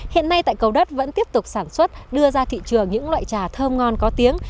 hiện nay tại cầu đất vẫn tiếp tục sản xuất đưa ra thị trường những loại trà thơm ngon có tiếng